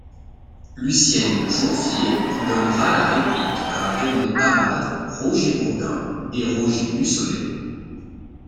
Lucienne Jourfier y donnera la réplique à Raymond Amade, Roger Bourdin et Roger Bussonnet.